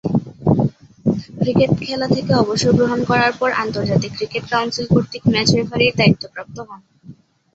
Cricket খেলা থেকে অবসর গ্রহণ করার পর আন্তর্জাতিক ক্রিকেট কাউন্সিল কর্তৃক ম্যাচ রেফারির দায়িত্বপ্রাপ্ত হন।